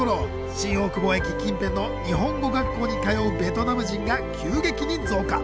新大久保駅近辺の日本語学校に通うベトナム人が急激に増加。